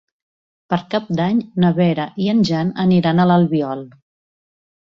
Per Cap d'Any na Vera i en Jan aniran a l'Albiol.